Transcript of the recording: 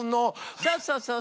そうそうそうそう。